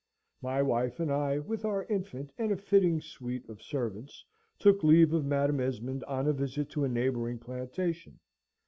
My wife and I, with our infant and a fitting suite of servants, took leave of Madam Esmond on a visit to a neighbouring plantation.